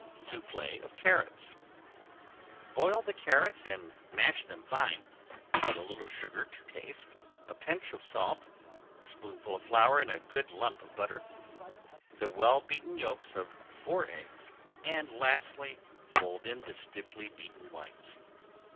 ~SOUFFLE OF CARROTS~ Boil the carrots and mash them fine, add a little sugar to taste, a pinch of salt, a spoonful of flour and a good lump of butter, the well beaten yolks of four eggs, and lastly fold in the stiffly beaten whites.